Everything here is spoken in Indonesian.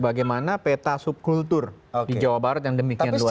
bagaimana peta subkultur di jawa barat yang demikian luas